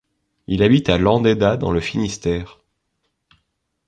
Il habite à Landeda dans le Finistère.